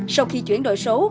sau khi chuyển đổi số